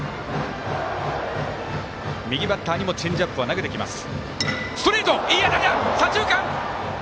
右バッターにもチェンジアップは投げてきます。